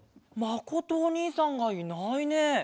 まことおにいさんがいないね。